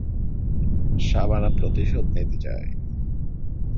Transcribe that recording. শাবানা প্রতিশোধ নিতে চায়।